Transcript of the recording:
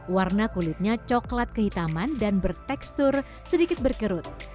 warna kulitnya coklat kehitaman dan bertekstur sedikit berkerut